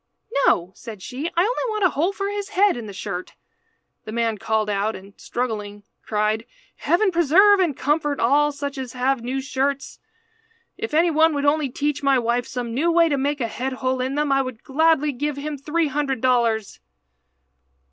"No," said she, "I only want a hole for his head in the shirt." The man called out and, struggling, cried "Heaven preserve and comfort all such as have new shirts! If any one would only teach my wife some new way to make a head hole in them I would gladly give him three hundred dollars."